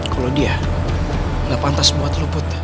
kalo dia gak pantas buat lu put